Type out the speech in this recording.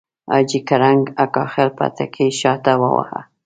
حاجي کړنګ اکا خپل پټکی شاته وواهه.